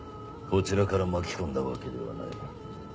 こちらから巻き込んだわけではない。